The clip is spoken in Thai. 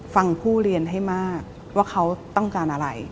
ฟังผู้เรียนให้มากว่าเขาต้องการอะไร